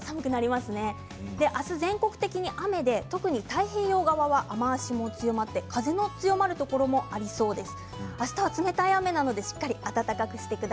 まず全国的に雨で特に太平洋側は雨足も強まって風も強まるところがありそうです。